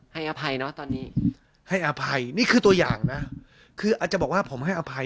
อภัยเนอะตอนนี้ให้อภัยนี่คือตัวอย่างนะคืออาจจะบอกว่าผมให้อภัย